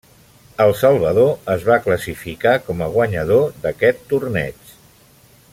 El Salvador es va classificar com a guanyador d'aquest torneig.